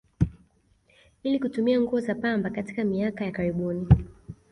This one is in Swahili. Ili kutumia nguo za pamba katika miaka ya karibuni